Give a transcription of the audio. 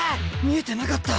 見えてなかった。